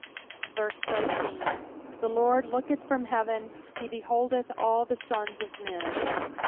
13 The Lord looketh from heaven ; he beholdeth all the sons of men.